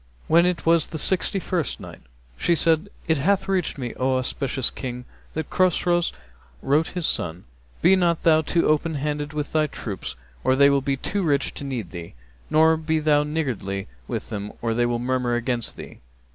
When it was the Sixty first night, She said, It hath reached me, O auspicious King, that Chosroës wrote his son, 'Be not thou too open handed with thy troops, or they will be too rich to need thee; nor be thou niggardly with them, or they will murmur against thee.